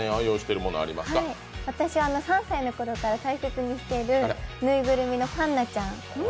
３歳の頃から大切にしている縫いぐるみのパンナちゃん。